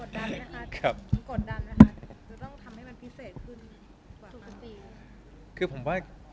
กดดันนะคะคือต้องทำให้มันพิเศษขึ้นกว่ามาก